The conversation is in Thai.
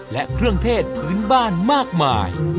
และเครื่องเทศพื้นบ้านมากมาย